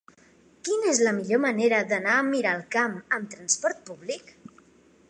Quina és la millor manera d'anar a Miralcamp amb trasport públic?